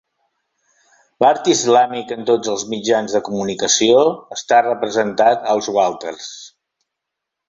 L'art islàmic en tots els mitjans de comunicació està representat als Walters.